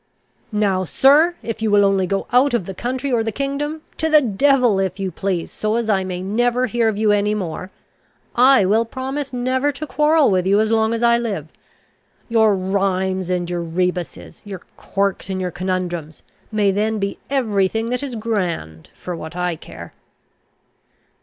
Now, sir, if you will only go out of the county or the kingdom, to the devil if you please, so as I may never hear of you any more, I will promise never to quarrel with you as long as I live. Your rhymes and your rebusses, your quirks and your conundrums, may then be every thing that is grand for what I care."